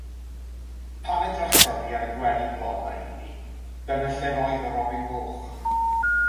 Pan edrychodd hi ar y gwely blodau iddi dyna lle roedd y robin goch.